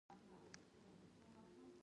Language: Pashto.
د جوارو کښت د دانې لپاره دی